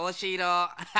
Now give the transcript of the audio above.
アッハハ。